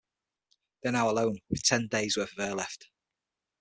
They are now alone, with ten days' worth of air left.